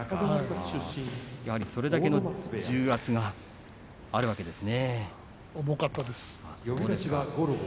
それだけの重圧があるわけですね。